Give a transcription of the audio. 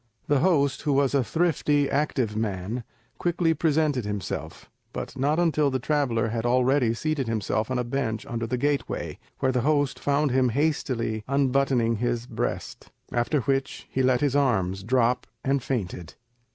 The host, who was a thrifty, active man, quickly presented himself, but not until the traveller had already seated himself on a bench under the gateway, where the host found him hastily unbuttoning his breast, after which he let his arms drop and fainted.